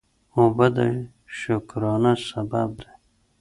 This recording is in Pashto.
اوبه د شکرانه سبب دي.